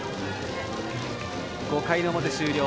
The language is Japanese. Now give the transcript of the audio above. ５回の表終了。